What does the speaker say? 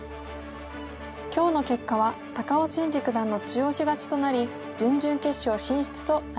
今日の結果は高尾紳路九段の中押し勝ちとなり準々決勝進出となりました。